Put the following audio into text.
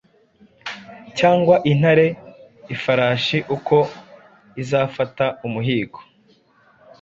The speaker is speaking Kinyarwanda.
cyangwa intare ifarashi uko izafata umuhigo.